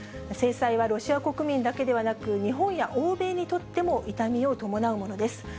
制裁はロシア国民だけではなく、日本や欧米にとっても、痛みを伴うものです。